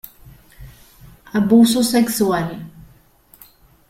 Abuso sexual.